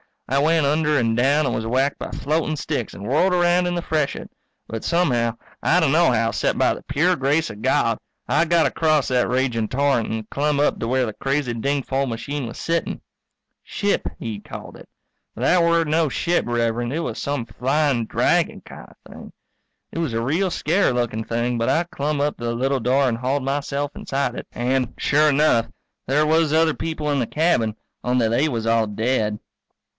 I went under and down, and was whacked by floating sticks and whirled around in the freshet. But somehow, I d'no how except by the pure grace of God, I got across that raging torrent and clumb up to where the crazy dingfol machine was sitting. Ship, he'd called it. But that were no ship, Rev'rend, it was some flying dragon kind of thing. It was a real scarey lookin' thing but I clumb up to the little door and hauled myself inside it. And, sure enough, there was other people in the cabin, only they was all dead.